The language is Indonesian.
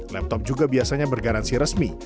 laptop juga biasanya bergaransi resmi